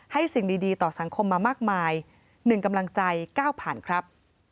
ให้สิ่งดีดีต่อสังคมมามากมายหนึ่งกำลังใจเก้าผ่านครับ